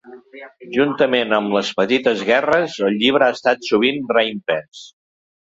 Juntament amb Les petites guerres, el llibre ha estat sovint reimprès.